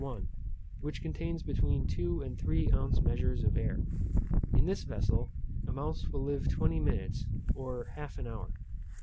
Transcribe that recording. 1, which contains between two and three ounce measures of air. In this vessel a mouse will live twenty minutes, or half an hour.